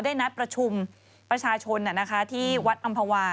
นัดประชุมประชาชนที่วัดอำภาวา